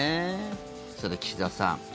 さて、岸田さん。